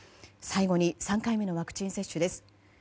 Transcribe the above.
最後に３回目のワクチン接種です。